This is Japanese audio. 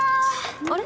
あれ？